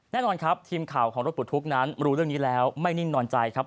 แน่นอนครับทีมข่าวของรถปลดทุกข์นั้นรู้เรื่องนี้แล้วไม่นิ่งนอนใจครับ